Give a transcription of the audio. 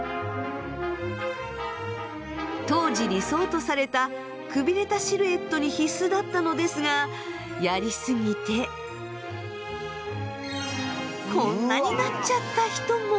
当時理想とされたくびれたシルエットに必須だったのですがやり過ぎてこんなになっちゃった人も。